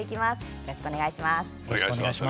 よろしくお願いします。